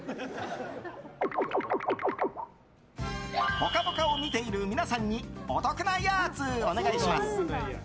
「ぽかぽか」を見ている皆さんにお得なやつ、お願いします。